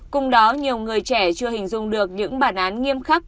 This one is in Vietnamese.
cùng đó nhiều người trẻ chưa hình dung được những bản án nghiêm khắc